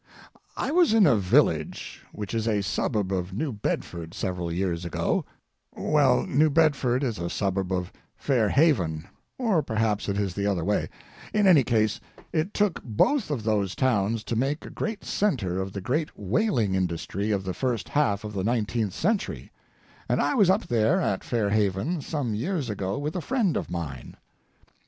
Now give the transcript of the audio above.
I was in a village which is a suburb of New Bedford several years ago—well, New Bedford is a suburb of Fair Haven, or perhaps it is the other way; in any case, it took both of those towns to make a great centre of the great whaling industry of the first half of the nineteenth century, and I was up there at Fair Haven some years ago with a friend of mine.